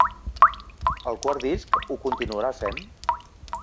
El quart disc ho continuarà sent?